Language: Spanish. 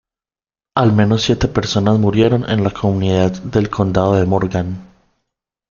Al menos siete personas murieron en la comunidad del Condado de Morgan.